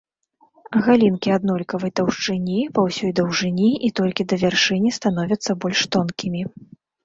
Галінкі аднолькавай таўшчыні па ўсёй даўжыні і толькі да вяршыні становяцца больш тонкімі.